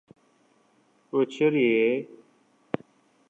— O‘chir-ye...